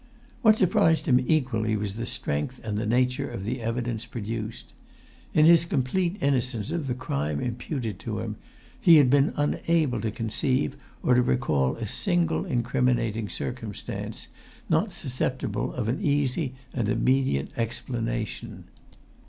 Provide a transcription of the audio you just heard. What surprised him equally was the strength and the nature of the evidence produced. In his complete innocence of the crime imputed to him, he had been unable to conceive or to recall a single incriminating circumstance not susceptible of an easy and immediate explanation.